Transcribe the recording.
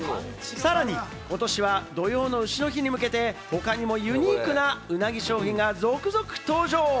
さらに今年は土用の丑の日に向けて、他にもユニークな鰻商品が続々登場。